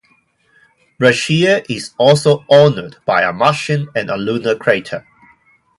Brashear is also honored by a Martian and a lunar crater.